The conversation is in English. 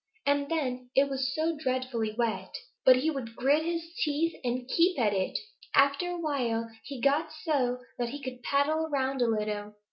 And then it was so dreadfully wet! But he would grit his teeth and keep at it. After a while he got so that he could paddle around a little.